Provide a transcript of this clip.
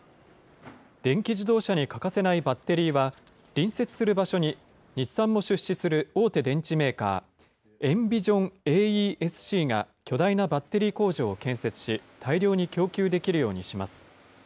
電気自動車に欠かせないバッテリーは、隣接する場所に日産も出資する大手電池メーカー、エンビジョンＡＥＳＣが巨大なバッテリー工場を建設し、大量に供給できるようにします。